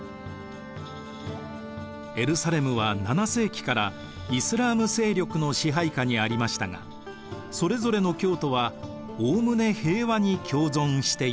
エルサレムは７世紀からイスラーム勢力の支配下にありましたがそれぞれの教徒はおおむね平和に共存していました。